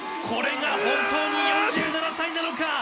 これが本当に４７歳なのか？